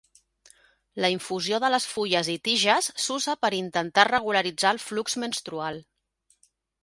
La infusió de les fulles i tiges s'usa per intentar regularitzar el flux menstrual.